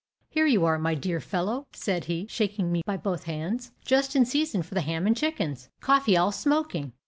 "Here you are, my dear fellow," said he, shaking me by both hands "just in season for the ham and chickens coffee all smoking.